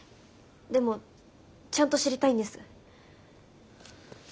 でもちゃんと知りたいんです。